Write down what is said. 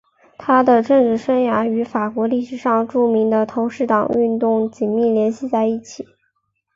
他的政治生涯与法国历史上著名的投石党运动紧密联系在一起。